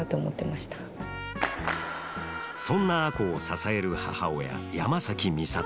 そんな亜子を支える母親山崎美里。